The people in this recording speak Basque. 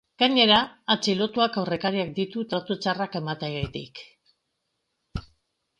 Gainera, atxilotuak aurrekariak ditu tratu txarrak emateagatik.